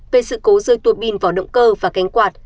về sự cố rơi tuột pin vào động cơ và cánh quạt